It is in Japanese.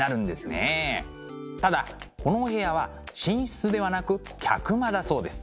ただこのお部屋は寝室ではなく客間だそうです。